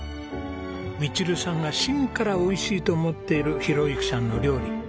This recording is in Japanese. ミチルさんが心から美味しいと思っている宏幸さんの料理。